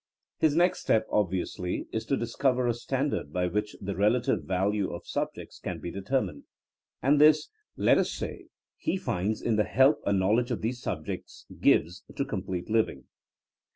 His next step, obvi ously, is to discover a standard by which the relative value of subjects can be determined; and this, let us say, he finds in the help a knowl edge of these subjects gives to complete liv ing.